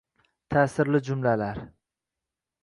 Ta'sirli jumlalar!